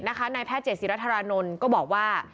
ของหมอเจตนะคะนายแพทย์เจตสิรธารณนทร์ก็บอกว่า